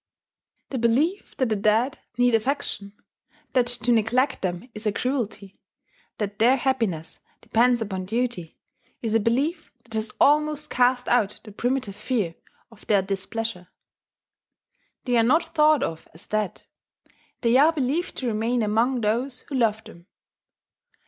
The belief that the dead need affection, that to neglect them is a cruelty, that their happiness depends upon duty, is a belief that has almost cast out the primitive fear of their displeasure. They are not thought of as dead: they are believed to remain among those who loved them.